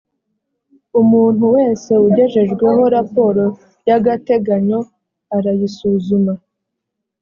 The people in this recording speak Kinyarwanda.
umuntu wese ugejejweho raporo y’agateganyo arayisuzuma